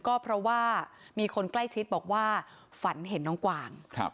ก็เพราะว่ามีคนใกล้ชิดบอกว่าฝันเห็นน้องกวาง